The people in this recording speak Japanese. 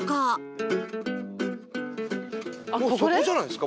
もうそこじゃないですか？